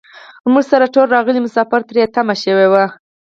زموږ سره ټول راغلي مسافر تري تم شوي وو.